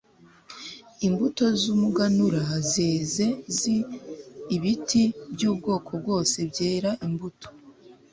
imbuto z umuganura zeze z ibiti by ubwoko bwose byera imbuto